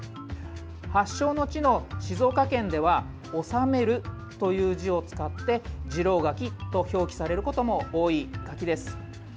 発祥の地の静岡県では治めるという字を使って治郎柿と表記されることも多い柿です。